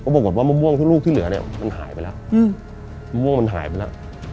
ปรากฏว่ามะม่วงทุกลูกที่เหลือเนี่ยมันหายไปแล้วมะม่วงมันหายไปแล้ว